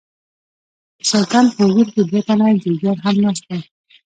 د سلطان په حضور کې دوه تنه جوګیان هم ناست وو.